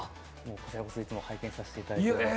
こちらこそ、いつも拝見させていただいています。